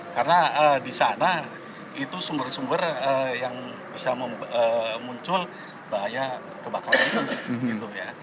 karena di sana itu sumber sumber yang bisa muncul bahaya kebakaran